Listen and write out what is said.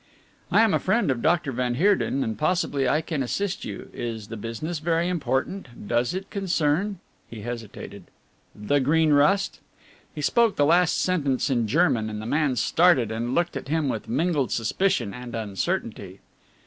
"I am a friend of Doctor van Heerden and possibly I can assist you. Is the business very important? Does it concern," he hesitated, "the Green Rust?" He spoke the last sentence in German and the man started and looked at him with mingled suspicion and uncertainty.